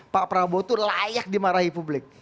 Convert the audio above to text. pak prabowo itu layak dimarahi publik